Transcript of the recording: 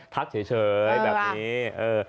ทักเฉยแบบนี้